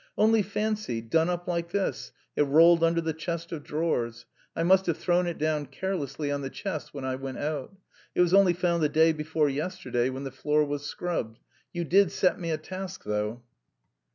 "Only fancy, done up like this, it rolled under the chest of drawers. I must have thrown it down carelessly on the chest when I went out. It was only found the day before yesterday, when the floor was scrubbed. You did set me a task, though!"